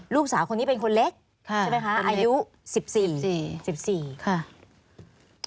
ลูกสาวคนนี้เป็นคนเล็กใช่ไหมคะ